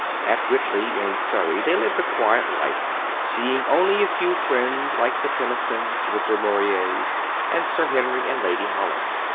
At Witley, in Surrey, they lived a quiet life, seeing only a few friends like the Tennysons, the Du Mauriers, and Sir Henry and Lady Holland.